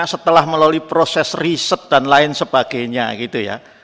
setelah melalui proses riset dan lain sebagainya gitu ya